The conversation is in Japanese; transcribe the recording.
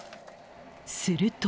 すると。